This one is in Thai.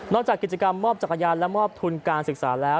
จากกิจกรรมมอบจักรยานและมอบทุนการศึกษาแล้ว